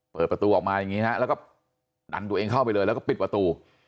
เปิดประตูออกมาอย่างนี้ฮะแล้วก็ดันตัวเองเข้าไปเลยแล้วก็ปิดประตู